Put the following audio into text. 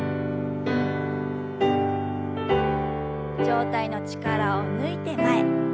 上体の力を抜いて前。